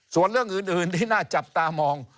ส่วนเรื่องอื่นที่น่าจับตามอง